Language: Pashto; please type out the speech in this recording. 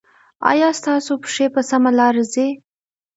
ایا ستاسو پښې په سمه لار ځي؟